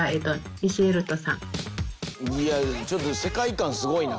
いやちょっと世界観すごいな。